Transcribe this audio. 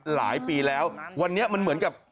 หลายปีแล้ววันนี้มันเหมือนกับ